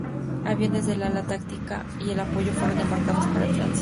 Aviones del Ala Táctica de Apoyo fueron embarcados para el tránsito.